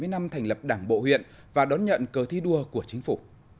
bảy mươi năm thành lập đảng bộ huyện và đón nhận cơ thi đua của chính phủ